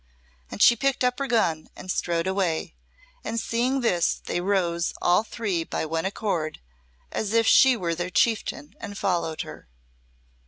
And she picked up her gun and strode away, and seeing this they rose all three by one accord, as if she were their chieftain, and followed her.